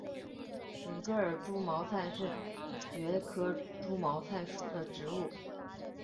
准噶尔猪毛菜是苋科猪毛菜属的植物。